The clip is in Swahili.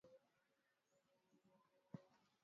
gavana ni mwenyekiti wa bodi ya wakurugenzi wa benki kuu